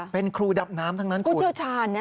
เป็นครูดำน้ำทั้งนั้นคุณ